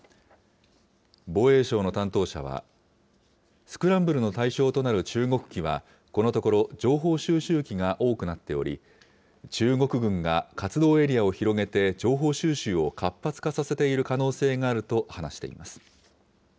防衛省の担当者は、スクランブルの対象となる中国機は、このところ情報収集機が多くなっており、中国軍が活動エリアを広げて情報収集を活発化させている可能性があると話しています。